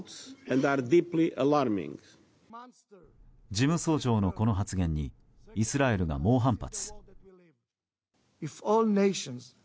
事務総長のこの発言にイスラエルが猛反発。